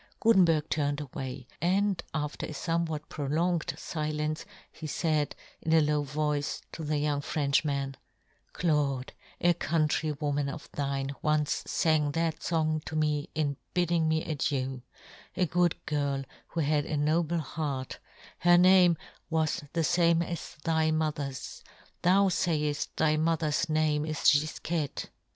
Gutenberg turned away, and after a fomewhat prolonged filence, he faid, in a low voice, to the young Frenchman —" Claude, a countrywoman of thine " once fang that fong to me in bid " ding me adieu — a good girl, who " had a noble heart — her name was " fhe fame as thy mother's ; thou " fayefl thy mother's name is Gif " quette."